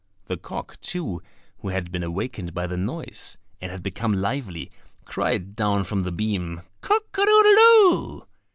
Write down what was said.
The cock, too, who had been awakened by the noise, and had become lively, cried down from the beam, "Cock a doodle doo!"